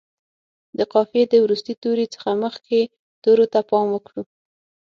د قافیې د وروستي توري څخه مخکې تورو ته پام وکړو.